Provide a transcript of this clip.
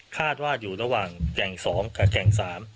คาดว่าอยู่ระหว่างแก่ง๒กับแก่ง๓